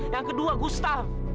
yang kedua gustaf